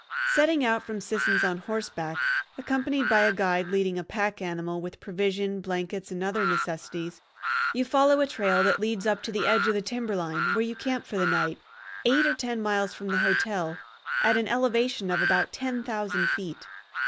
Setting out from Sisson's on horseback, accompanied by a guide leading a pack animal with provision, blankets, and other necessaries, you follow a trail that leads up to the edge of the timberline, where you camp for the night, eight or ten miles from the hotel, at an elevation of about ten thousand feet.